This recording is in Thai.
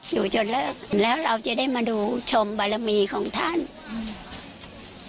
อยู่จนเลิกแล้วเราจะได้มาดูชมบารมีของท่านอืม